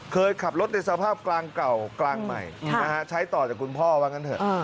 เคยขับรถในสภาพกลางเก่ากลางใหม่ใช้ต่อจากคุณพ่อว่างั้นเถอะ